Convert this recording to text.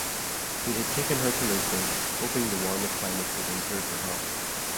He had taken her to Lisbon hoping the warmer climate would improve her health.